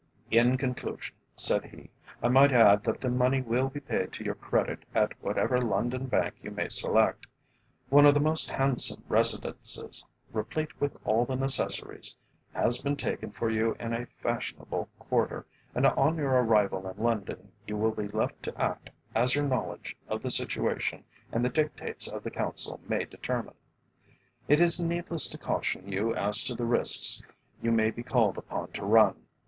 "In conclusion," said he, "I might add that the money will be paid to your credit at whatever London Bank you may select. One of the most handsome residences, replete with all the necessaries, has been taken for you in a fashionable quarter, and on your arrival in London you will be left to act as your knowledge of the situation and the dictates of the Council may determine. It is needless to caution you as to the risks you may be called upon to run.